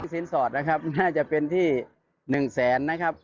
สินสอดนะครับน่าจะเป็นที่๑แสนนะครับ